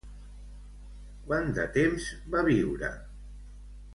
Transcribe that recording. Quant de temps va viure?